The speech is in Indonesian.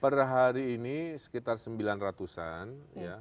per hari ini sekitar sembilan ratusan ya